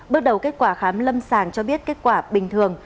bước đầu kết quả khám lâm sàng cho biết kết quả bình thường